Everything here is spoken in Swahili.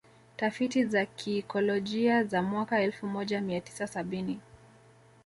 Tafiti za kiikolojia za mwaka elfu moja mia tisa sabini